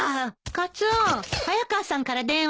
カツオ早川さんから電話よ。